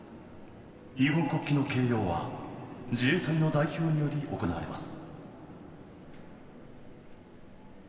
日本国旗の掲揚は自衛隊の代表により行われます。